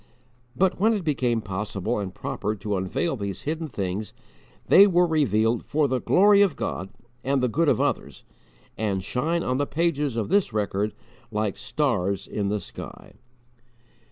But when it became possible and proper to unveil these hidden things they were revealed for the glory of God and the good of others, and shine on the pages of this record like stars in the sky.